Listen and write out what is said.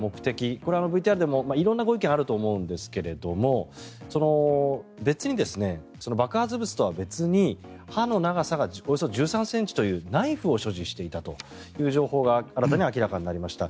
これはＶＴＲでも色んなご意見があると思うんですが爆発物とは別に刃の長さがおよそ１３ｃｍというナイフを所持していたという情報が新たに明らかになりました。